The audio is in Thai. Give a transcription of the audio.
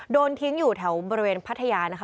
โดนทิ้งอยู่แถวบริเวณพัทยานะคะ